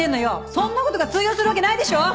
そんな事が通用するわけないでしょ！